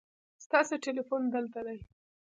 ستاسو تلیفون دلته دی